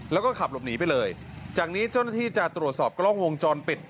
แล้วก็ขับหลบหนีไปเลยจากนี้เจ้าหน้าที่จะตรวจสอบกล้องวงจรปิด